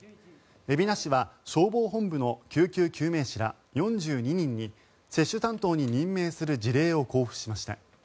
海老名市は消防本部の救急救命士ら４２人に接種担当に任命する辞令を交付しました。